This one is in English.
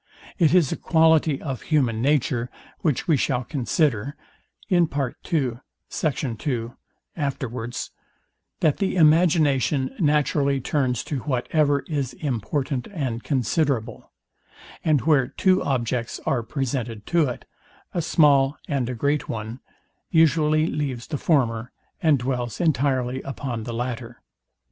It is a quality of human nature, which we shall consider afterwards, that the imagination naturally turns to whatever is important and considerable; and where two objects are presented to it, a small and a great one, usually leaves the former, and dwells entirely upon the latter.